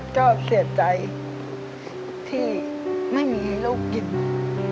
ก็เสียใจที่ไม่มีลูกกิน